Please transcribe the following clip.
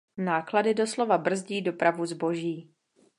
Náklady doslova brzdí dopravu zboží.